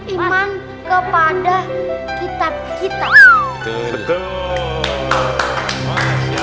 iman kepada kita kita